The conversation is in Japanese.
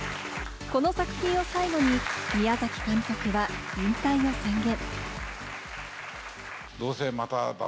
この作品を最後に宮崎監督は引退を宣言。